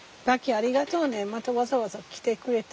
ありがとうねまたわざわざ来てくれて。